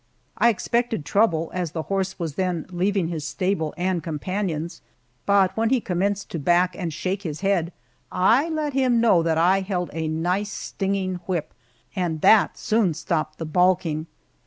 I expected trouble, as the horse was then leaving his stable and companions, but when he commenced to back and shake his head I let him know that I held a nice stinging whip, and that soon stopped the balking.